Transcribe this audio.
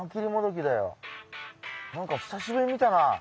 何か久しぶりに見たな。